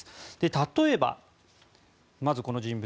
例えば、まずこの人物。